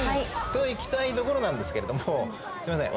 といきたいところなんですけれどもすいません